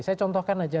saya contohkan saja